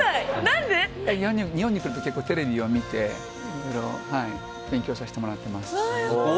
日本に来ると結構テレビを見ていろいろ勉強させてもらってます。